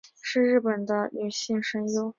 是日本的女性声优。